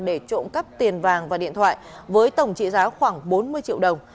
để trộm cắp tiền vàng và điện thoại với tổng trị giá khoảng bốn mươi triệu đồng